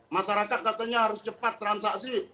masyarakat katanya harus cepat transaksi